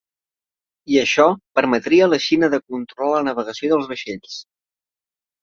I això permetria a la Xina de controlar la navegació dels vaixells.